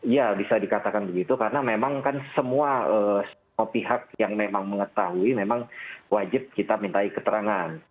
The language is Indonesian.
ya bisa dikatakan begitu karena memang kan semua pihak yang memang mengetahui memang wajib kita mintai keterangan